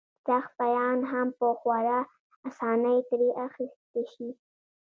سخت پیغام هم په خورا اسانۍ ترې اخیستی شي.